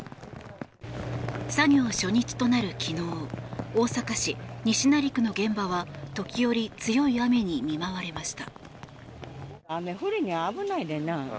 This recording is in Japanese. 作業初日となる昨日大阪市西成区の現場は時折、強い雨に見舞われました。